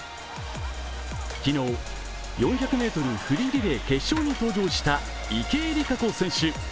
昨日、４００ｍフリーリレー決勝に登場した池江璃花子選手。